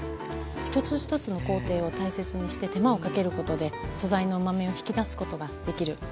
一つ一つの工程を大切にして手間をかけることで素材のうまみを引き出すことができる。